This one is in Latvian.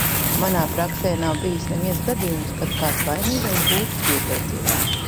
Manā praksē nav bijis neviens gadījums, kad kāds vainīgais būtu pieteicies.